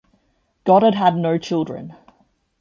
Goddard had no children.